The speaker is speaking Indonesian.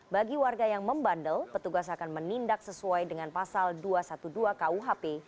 bagi warga yang membandel petugas akan menindak sesuai dengan pasal dua ratus dua belas kuhp